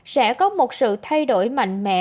sẽ có một sự thay đổi mạnh mẽ